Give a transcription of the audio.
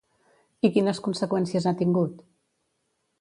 I quines conseqüències ha tingut?